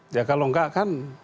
ya kalau enggak kan